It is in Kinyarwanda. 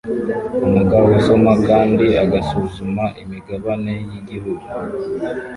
Umugabo usoma kandi ugasuzuma imigabane yigihugu